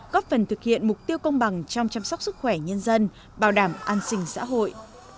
góp phần thực hiện mục tiêu công bằng trong chăm sóc sức khỏe nhân dân bảo đảm an sinh xã hội